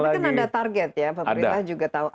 tapi kan ada target ya pak pritah juga tahu